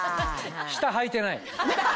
下はいてない。